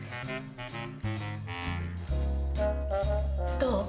どう？